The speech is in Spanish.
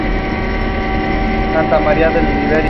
Confía más en sus amigos que en los adultos.